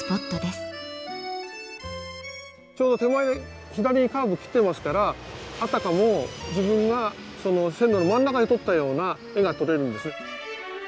ちょうど手前左にカーブ切ってますからあたかも自分が線路の真ん中で撮ったような絵が撮れるんです。